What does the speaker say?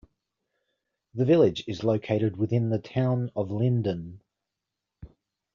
The village is located within the Town of Linden.